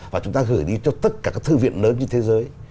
và chúng ta gửi đi cho tất cả các thư viện lớn trên thế giới